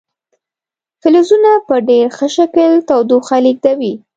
فلزونه په ډیر ښه شکل تودوخه لیږدوي.